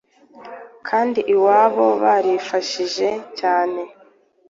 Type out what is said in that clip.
kandi iwabo barifashije cyane